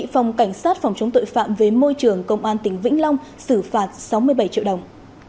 phòng cảnh sát phòng chống tội phạm về môi trường công an tỉnh vĩnh long xử phạt sáu mươi bảy triệu đồng